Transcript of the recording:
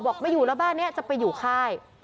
ไม่อยู่แล้วบ้านนี้จะไปอยู่ค่าย